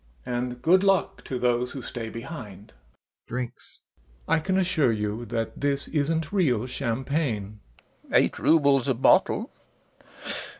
And good luck to those who stay behind! [Drinks] I can assure you that this isn't real champagne. LOPAKHIN. Eight roubles a bottle.